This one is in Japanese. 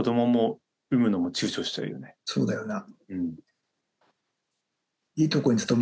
そうだよな。